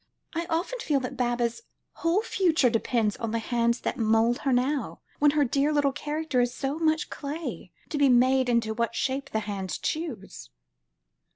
I often feel that Baba's whole future depends on the hands that mould her now, when her dear little character is so much clay, to be made into what shape the hands choose."